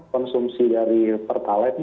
konsumsi dari pertalite